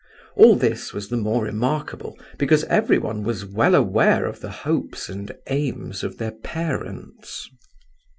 All this was the more remarkable, because everyone was well aware of the hopes and aims of their parents.